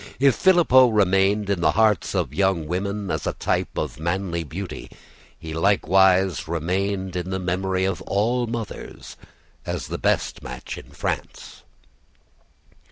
If Filippo remained in the hearts of young women as a type of manly beauty, he likewise remained in the memory of all mothers as the best match in France.